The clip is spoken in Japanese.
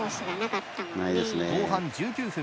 後半１９分。